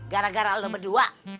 gara gara lo berdua